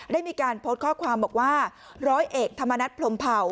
ได้มีการโพสต์ข้อความบอกว่าร้อยเอกธรรมนัฐพรมเผ่า